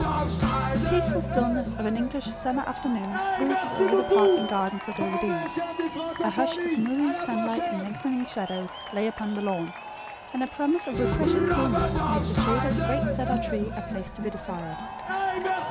The peaceful stillness of an English summer afternoon brooded over the park and gardens at Overdene. A hush of moving sunlight and lengthening shadows lay upon the lawn, and a promise of refreshing coolness made the shade of the great cedar tree a place to be desired.